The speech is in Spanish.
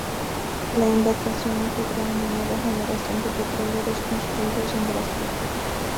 La embarcación integró una nueva generación de petroleros construidos en Brasil.